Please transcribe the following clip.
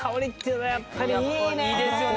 いいですよね。